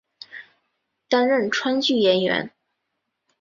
担任川剧演员。